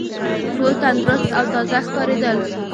ټول تندرست او تازه ښکارېدل.